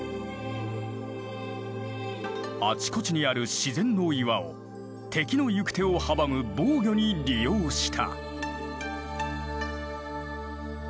あちこちにある自然の岩を敵の行く手を阻む防御に利用した。